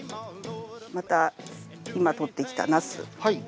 また今採ってきたナス。